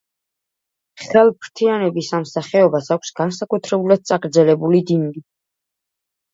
ხელფრთიანების ამ სახეობას აქვს განსაკუთრებულად წაგრძელებული დინგი.